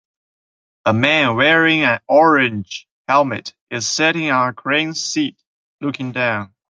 A man wearing an orange helmet is sitting on a crane seat looking down.